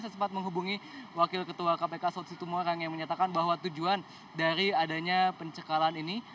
saya sempat menghubungi wakil ketua kpk saud situmorang yang menyatakan bahwa tujuan dari adanya pencekalan ini